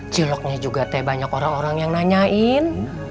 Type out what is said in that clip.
ciloknya juga teh banyak orang orang yang nanyain